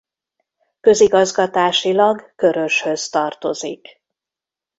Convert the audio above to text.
Közigazgatásilag Köröshöz tartozik.